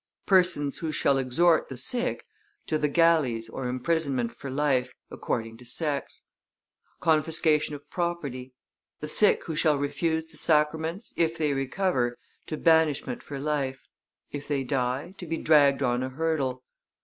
Persons who shall exhort the sick, to the galleys or imprisonment for life, according to sex; confiscation of property. The sick who shall refuse the sacraments, if they recover, to banishment for life; if they die, to be dragged on a hurdle.